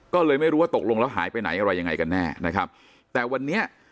ก็เลยไม่รู้ว่าตกลงแล้วหายไปไหนอะไรยังไงกันแน่นะครับแต่วันนี้